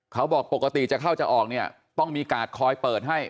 เขาบอกปกติจะเข้าจะออกเนี่ยต้องมีกาดคอยเปิดให้